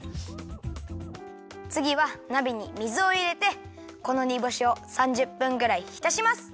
つぎはなべに水をいれてこのにぼしを３０分ぐらいひたします。